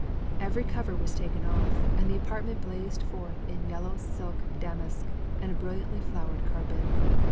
Every cover was taken off, and the apartment blazed forth in yellow silk damask and a brilliantly flowered carpet.